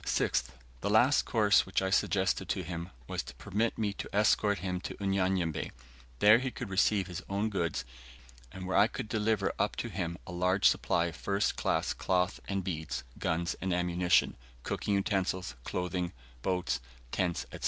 6th. The last course which I suggested to him, was to permit me to escort him to Unyanyembe, where he could receive his own goods, and where I could deliver up to him a large supply of first class cloth and beads, guns and ammunition, cooking utensils, clothing, boats, tents, &c.